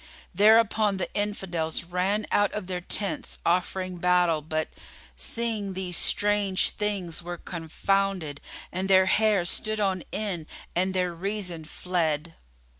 Thereupon the Infidels ran out of their tents offering battle but, seeing these strange things, were confounded and their hair stood on end and their reason fled.